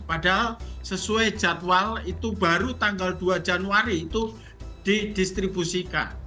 padahal sesuai jadwal itu baru tanggal dua januari itu didistribusikan